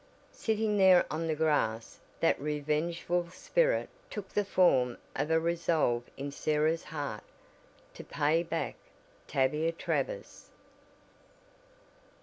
Sitting there on the grass that revengeful spirit took the form of a resolve in Sarah's heart to "pay back" Tavia Travers.